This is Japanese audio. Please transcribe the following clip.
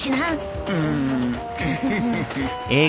うんフフフ。